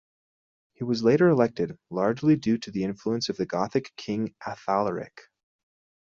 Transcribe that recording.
He was later elected, largely due to the influence of the Gothic king Athalaric.